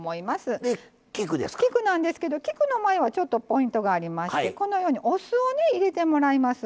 菊なんですけど菊の場合はちょっとポイントがありましてこのようにお酢をね入れてもらいます。